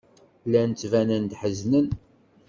Llan ttbanen-d ḥeznen.